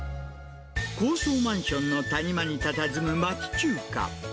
高層マンションの谷間にたたずむ町中華。